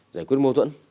giải quyết mâu tuẫn